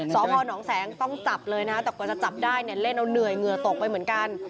สพนแสงต้องจับเลยนะแต่กว่าจะจับได้เนี่ยเล่นเอาเหนื่อยเหงื่อตกไปเหมือนกัน